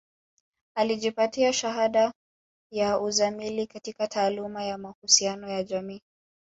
Alijipatia shahada ya uzamili katika taaluma ya mahusiano ya jamii